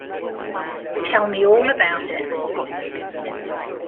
Tell me all about it.